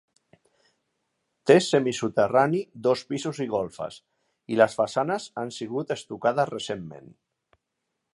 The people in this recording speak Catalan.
Té semisoterrani, dos pisos i golfes i les façanes han sigut estucades recentment.